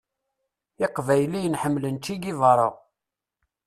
Iqbayliyen ḥemmlen Che Guevara.